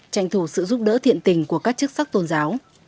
tranh thủ sự giúp đỡ thiện tình của các chức sắc tôn giáo